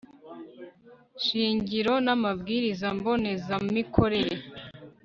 shingiro n amabwiriza mbonezamikorere